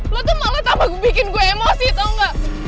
lo tuh malah tambah bikin gue emosi tau gak